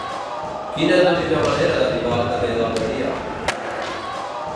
Quina és la millor manera d'arribar al carrer d'Almeria?